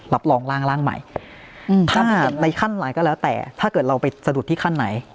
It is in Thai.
รับรองร่างใหม่ถ้าในขั้นไหนก็แล้วแต่ถ้าเกิดเราไปสะดุดที่ขั้นไหน